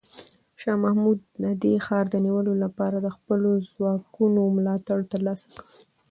شاه محمود د ښار د نیولو لپاره د خپلو ځواکونو ملاتړ ترلاسه کړ.